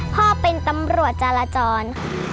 พ่อเป็นตำรวจจารจร